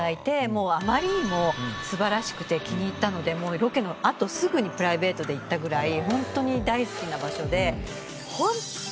もうあまりにも素晴らしくて気に入ったのでロケのあとすぐにプライベートで行ったぐらいホントに大好きな場所で。